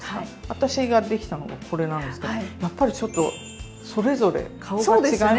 私ができたのはこれなんですけどやっぱりちょっとそれぞれ顔が違いますよね。